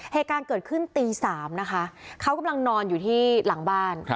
เหตุการณ์เกิดขึ้นตี๓นะคะเขากำลังนอนอยู่ที่หลังบ้าน